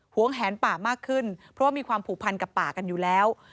วงแหนป่ามากขึ้นเพราะว่ามีความผูกพันกับป่ากันอยู่แล้ว